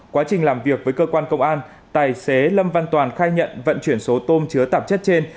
quá trình làm việc với cơ quan công an tài xế lâm văn toàn khai nhận vận chuyển số tôm chứa tạp chất trên